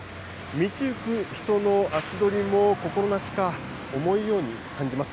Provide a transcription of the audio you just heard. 道行く人の足取りも、心なしか重いように感じます。